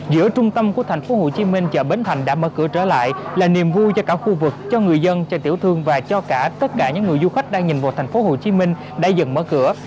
giữa trung tâm của thành phố hồ chí minh chợ bến thành đã mở cửa trở lại là niềm vui cho cả khu vực cho người dân cho tiểu thương và cho cả tất cả những người du khách đang nhìn vào thành phố hồ chí minh đã dần mở cửa